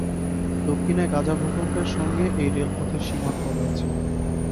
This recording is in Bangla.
দক্ষিণে গাজা ভূখণ্ড সঙ্গে এই রেলপথের সীমান্ত রয়েছে।